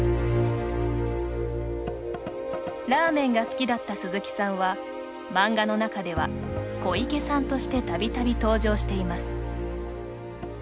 ラーメンが好きだった鈴木さんは漫画の中では「小池さん」としてたびたび登場しています。